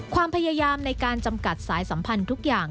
ความพยายามในการจำกัดสายสัมพันธ์ทุกอย่าง